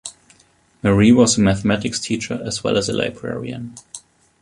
Marie was a mathematics teacher as well as a librarian.